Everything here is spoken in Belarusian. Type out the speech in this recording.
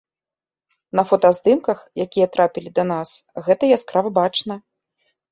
На фотаздымках, якія трапілі да нас, гэта яскрава бачна.